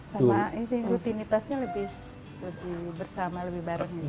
sama rutinitasnya lebih bersama lebih bareng